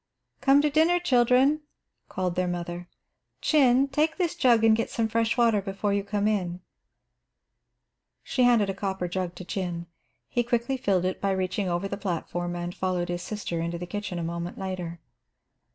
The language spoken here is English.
"Come to dinner, children," called their mother. "Chin, take this jug and get some fresh water before you come in." She handed a copper jug to Chin. He quickly filled it by reaching over the platform, and followed his sister into the kitchen a moment later.